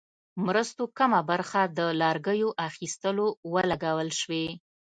مرستو کمه برخه د لرګیو اخیستلو ولګول شوې.